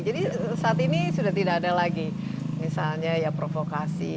jadi saat ini sudah tidak ada lagi misalnya ya provokasi